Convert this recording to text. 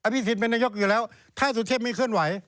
พี่สินเป็นนายกอยู่แล้วถ้าสุเทพไม่เคลื่อนไหว